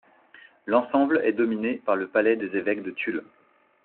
L'ensemble est dominé par le palais des Évêques de Tulle.